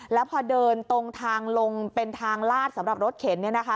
แล้วพอเดินตรงทางลงเป็นทางลาดสำหรับรถเข็น